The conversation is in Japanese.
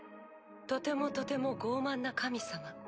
とてもとても傲慢な神様。